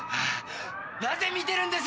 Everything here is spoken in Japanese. なぜ見てるんです！